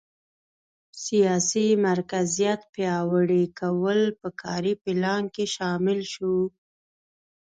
سیاسي مرکزیت پیاوړي کول په کاري پلان کې شامل شو.